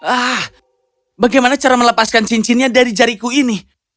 ah bagaimana cara melepaskan cincinnya dari jariku ini